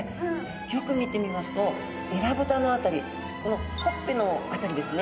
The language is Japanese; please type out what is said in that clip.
よく見てみますとえらぶたの辺りこのほっぺの辺りですね。